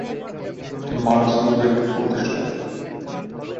এটি মার্কস গ্রুপের একটি প্রতিষ্ঠান।